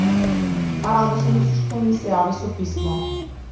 Радосен сум што ми се јави со писмо.